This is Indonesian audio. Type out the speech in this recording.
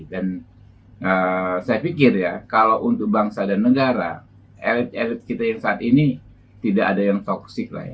dan saya pikir ya kalau untuk bangsa dan negara elit elit kita yang saat ini tidak ada yang toksik lah ya